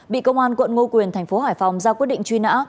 bị công an quận ngô quyền thành phố hải phòng ra quyết định truy nã